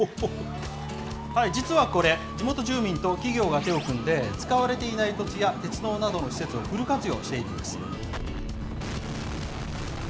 実はこれ、地元住民と企業が手を組んで、使われていない土地や鉄道などの施設をフル活用しているんです。